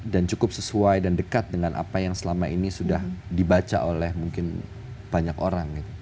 dan cukup sesuai dan dekat dengan apa yang selama ini sudah dibaca oleh mungkin banyak orang